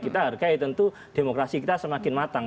kita hargai tentu demokrasi kita semakin matang